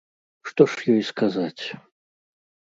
Што ж ёй сказаць?